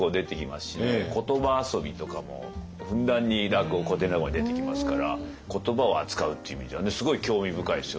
言葉遊びとかもふんだんに古典落語には出てきますから言葉を扱うっていう意味ではすごい興味深いですよね。